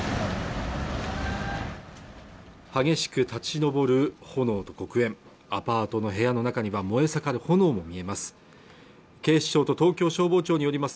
激しく立ち上る炎と黒煙アパートの部屋の中には燃え盛る炎も見えます